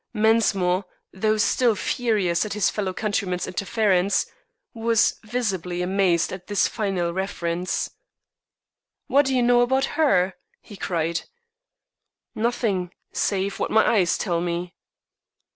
Mensmore, though still furious at his fellow countryman's interference, was visibly amazed at this final reference. "What do you know about her?" he cried. "Nothing, save what my eyes tell me."